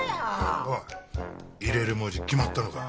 おい入れる文字決まったのか？